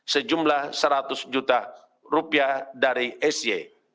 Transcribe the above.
sejumlah rp seratus juta dari sy